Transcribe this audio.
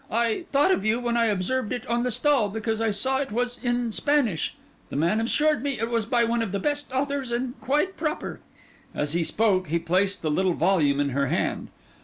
I thought of you, when I observed it on the stall, because I saw it was in Spanish. The man assured me it was by one of the best authors, and quite proper.' As he spoke, he placed the little volume in her hand.